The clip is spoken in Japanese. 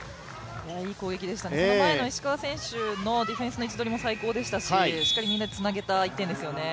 いい攻撃でしたね、その前の石川選手のディフェンスの位置取りも完璧でしたししっかりみんなでつなげた１点ですよね。